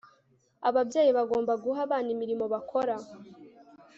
Ababyeyi bagomba guha abana imirimo bakora